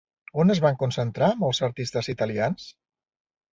On es van concentrar molts artistes italians?